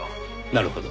なるほど。